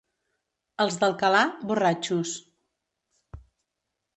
Els d'Alcalà, borratxos.